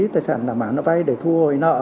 tài sản đảm bảo nó vay để thu hồi nợ